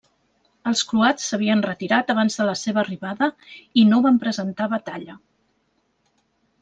Els croats s'havien retirat abans de la seva arribada i no van presentar batalla.